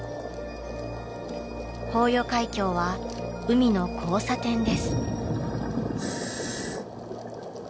豊予海峡は海の交差点です。